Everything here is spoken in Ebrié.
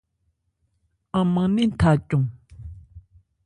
An man nɛ́n tha cɔn.